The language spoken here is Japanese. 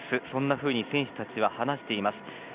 そんなふうに選手たちは話しています。